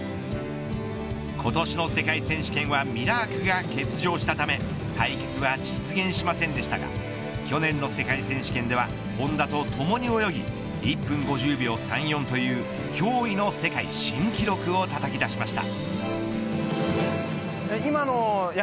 今年の世界選手権はミラークが欠場したため対決は実現しませんでしたが去年の世界選手権では本多とともに泳ぎ１分５０秒３４という驚異の世界新記録をたたき出しました。